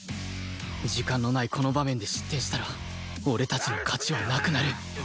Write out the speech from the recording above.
時間のないこの場面で失点したら俺たちの勝ちはなくなる